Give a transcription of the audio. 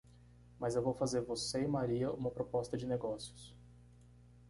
Mas eu vou fazer você e Maria uma proposta de negócios.